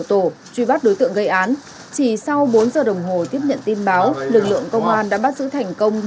tổ truy bắt đối tượng gây án chỉ sau bốn giờ đồng hồ tiếp nhận tin báo lực lượng công an đã bắt giữ thành công